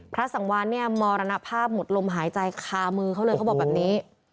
พระสังวานเนี่ยมรณภาพหมดลมหายใจคามือเขาเลยเขาบอกแบบนี้